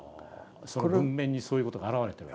それは文面にそういうことが表れてるわけですか？